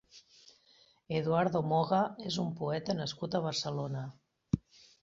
Eduardo Moga és un poeta nascut a Barcelona.